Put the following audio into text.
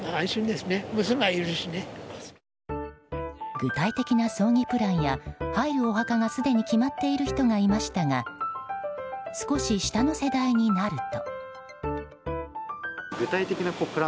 具体的な葬儀プランや入るお墓がすでに決まっている人がいましたが少し下の世代になると。